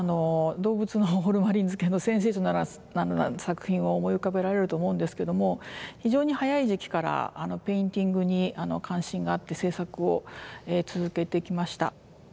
動物のホルマリン漬けのセンセーショナルな作品を思い浮かべられると思うんですけども非常に早い時期からペインティングに関心があって制作を続けてきました。